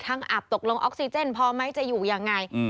ทั้งอับตกลงออกซีเจนพอมั้ยจะอยู่ยังไง